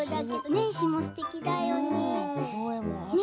詩もすてきだよね。